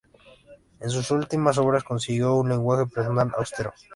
En sus últimas obras consiguió un lenguaje personal austero.